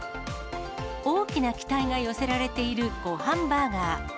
大きな期待が寄せられているごはんバーガー。